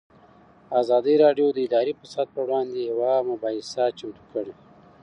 ازادي راډیو د اداري فساد پر وړاندې یوه مباحثه چمتو کړې.